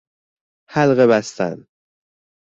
حلقه بستن